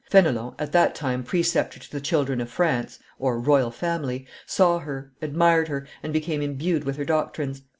Fenelon, at that time, preceptor to the children of France (royal family), saw her, admired her, and became imbued with her doctrines.